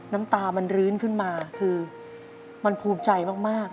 น้ำตามันรื้นขึ้นมาคือมันภูมิใจมาก